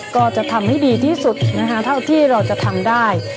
ก็จะทำให้ดีที่สุดนะคะเท่าที่เราจะทำได้